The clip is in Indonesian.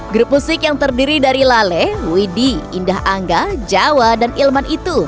grup musik yang terdiri dari lale widi indah angga jawa dan ilman itu